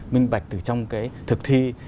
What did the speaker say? minh bạch từ trong cái thực thi